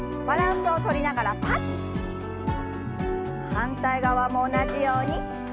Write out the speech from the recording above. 反対側も同じように。